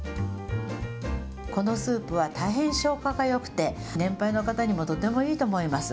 このスープは大変消化がよくて、年配の方にもとてもいいと思います。